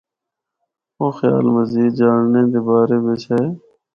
او خیال مزید جانڑے دے بارے بچ ہے۔